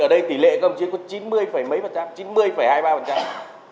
ở đây tỷ lệ các đồng chí có chín mươi mấy phần trăm chín mươi hai mươi ba phần trăm